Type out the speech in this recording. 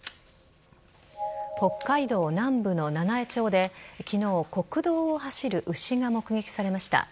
北海道南部の七飯町で昨日国道を走る牛が目撃されました。